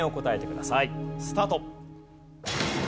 スタート。